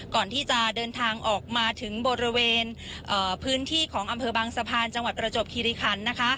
ก่อนที่จะเดินทางออกมาถึงบริเวณพื้นที่ของอำเภอบางสะพานจังหวัดประจบคิริคันนะคะ